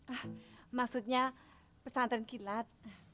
ah maksudnya pesantren kilat